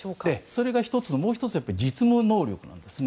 それが１つでもう１つは実務能力ですね。